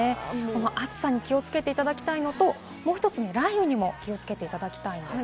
暑さに気をつけていただきたいのともう１つ、雷雨にも気をつけていただきたいです。